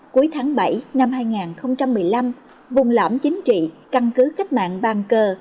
cuối tháng bảy năm hai nghìn một mươi năm vùng lõm chính trị căn cứ cách mạng bàn cờ